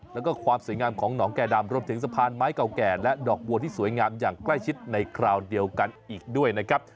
แล้วก็ความสวยงามของหนองแก่ดำรวมถึงสะพานไม้เก่าแก่และดอกบัวที่สวยงามอย่างใกล้ชิดในคราวเดียวกันอีกด้วยนะครับ